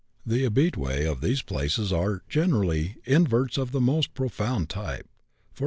The habitués of these places are, generally, inverts of the most pronounced type, i.e.